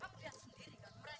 sekarang aku harus pulang